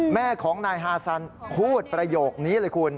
แม่ของนายฮาซันพูดประโยคนี้เลยคุณ